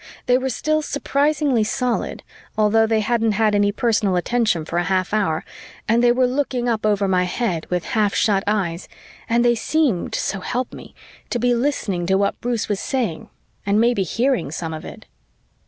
They were still surprisingly solid, although they hadn't had any personal attention for a half hour, and they were looking up over my head with half shut eyes and they seemed, so help me, to be listening to what Bruce was saying and maybe hearing some of it.